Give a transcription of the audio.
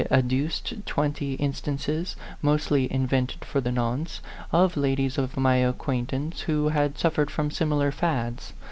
adduced twenty instances, mostly invented for the nonce, of ladies of my acquaintance who had suffered from similar fads.